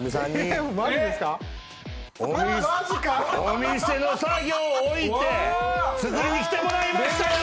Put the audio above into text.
お店の作業を置いて作りにきてもらいましたよ